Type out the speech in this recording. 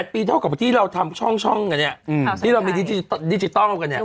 ปีเท่ากับที่เราทำช่องกันเนี่ยที่เรามีดิจิทัลกันเนี่ย